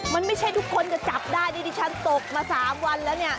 มันไม่ใช่ทุกคนจะจับได้นี่ดิฉันตกมา๓วันแล้วเนี่ย